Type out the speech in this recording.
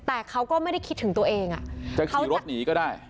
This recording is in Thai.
แต่เขาก็ไม่ได้คิดถึงตัวเองจะขี่รถหนีก็ได้